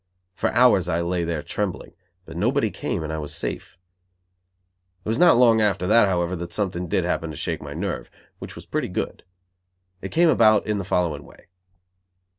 For hours I lay there trembling, but nobody came and I was safe. It was not long after that, however, that something did happen to shake my nerve, which was pretty good. It came about in the following way.